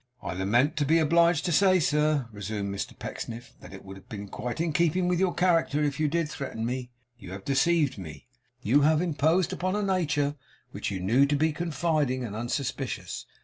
'I lament to be obliged to say, sir,' resumed Mr Pecksniff, 'that it would be quite in keeping with your character if you did threaten me. You have deceived me. You have imposed upon a nature which you knew to be confiding and unsuspicious.